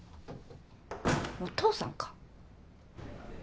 お父さんか。